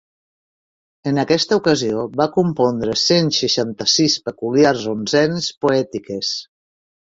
En aquesta ocasió va compondre cent seixanta-sis peculiars onzenes poètiques.